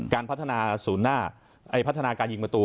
การพัฒนาศูนย์หน้าพัฒนาการยิงประตู